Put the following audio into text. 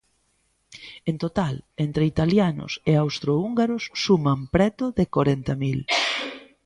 En total, entre italianos e austrohúngaros suman preto de corenta mil.